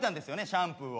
シャンプーを。